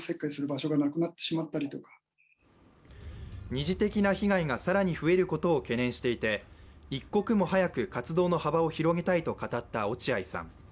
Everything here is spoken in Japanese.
二次的な被害が更に増えることを懸念していて一刻も早く活動の幅を広げたいと語った落合さん。